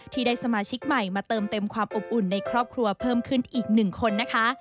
ที่ได้สมาชิกใหม่มาเติมเต็มความอบอุ่นในครอบครัวเพิ่มขึ้นอีกหนึ่งคนนะคะ